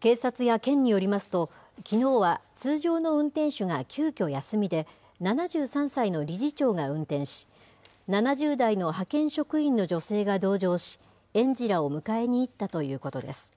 警察や県によりますと、きのうは通常の運転手が急きょ休みで、７３歳の理事長が運転し、７０代の派遣職員の女性が同乗し、園児らを迎えに行ったということです。